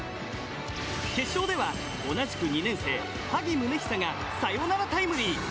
決勝では同じく２年生萩宗久がサヨナラタイムリー。